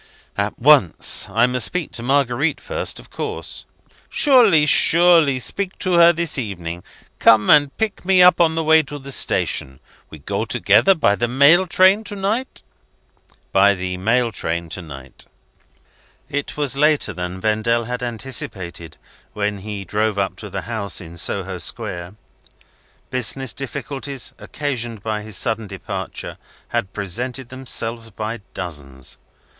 "At once. I must speak to Marguerite first, of course!" "Surely! surely! Speak to her this evening. Come, and pick me up on the way to the station. We go together by the mail train to night?" "By the mail train to night." It was later than Vendale had anticipated when he drove up to the house in Soho Square. Business difficulties, occasioned by his sudden departure, had presented themselves by dozens.